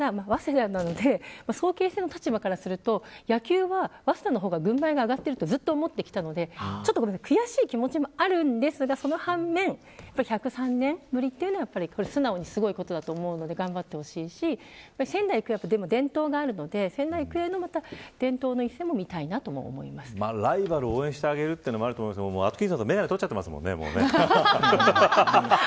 早稲田なので早慶戦の立場からすると野球は早稲田の方が軍配が上がっているとずっと思っていたので悔しい気持ちもありますがその反面１０３年ぶりというのは素直にすごいことだと思うので頑張ってほしいし仙台育英は伝統があるので仙台育英のライバルを応援してあげるというのもありますがアトキンソンさん眼鏡取ってますよね。